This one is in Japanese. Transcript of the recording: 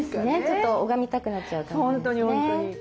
ちょっと拝みたくなっちゃう感じですね。